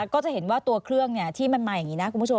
ก็จะเห็นว่าตัวเครื่องที่มันมาอย่างนี้นะคุณผู้ชม